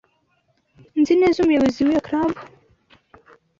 Nzi neza umuyobozi wiyo club.